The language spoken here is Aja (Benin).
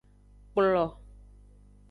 Kplo.